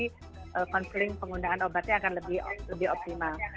jadi konseling penggunaan obatnya akan lebih optimal